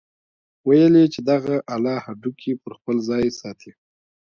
ويل يې چې دغه اله هډوکي پر خپل ځاى ساتي.